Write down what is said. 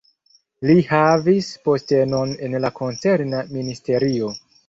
Li havis postenon en la koncerna ministerio.